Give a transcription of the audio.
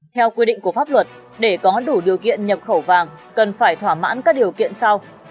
theo quy định của pháp luật để có đủ điều kiện nhập khẩu vàng cần phải thỏa mãn các điều kiện sau